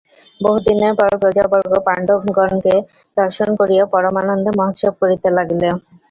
বহুদিনের পর প্রজাবর্গ পাণ্ডবগণকে দর্শন করিয়া পরমানন্দে মহোৎসব করিতে লাগিল।